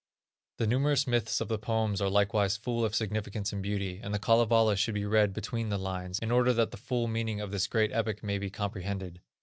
The numerous myths of the poem are likewise full of significance and beauty, and the Kalevala should be read between the lines, in order that the fall meaning of this great epic may be comprehended.